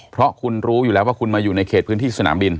เพราะคุณรู้อยู่แล้วว่าคุณมาอยู่ในเขตพื้นที่สนามบิน